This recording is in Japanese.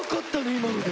今ので。